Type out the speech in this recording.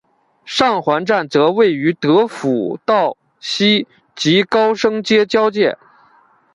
上环站则位于德辅道西及高升街交界。